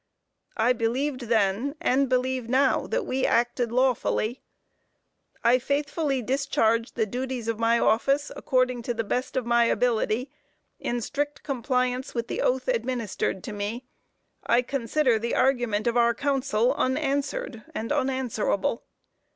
I believed then, and believe now, that we acted lawfully. "I faithfully discharged the duties of my office, according to the best of my ability, in strict compliance with the oath administered to me. I consider the argument of our counsel unanswered and unanswerable."